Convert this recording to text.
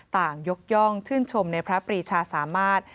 ยกย่องชื่นชมในพระปรีชาสามารถ